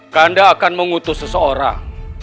kanda akan mengutus seseorang